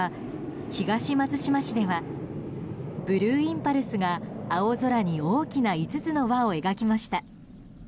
東松島市ではブルーインパルスが青空に大きな５つの輪を描きました。